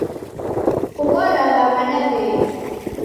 Kughoragha w'ada w'ei?